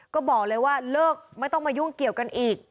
ก็บอกเลยว่าเลิกไม่ต้องมายุ่งเกี่ยวกันอีก